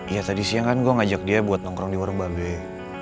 ya tadi siang kan gue ngajak dia buat nongkrong di warung babe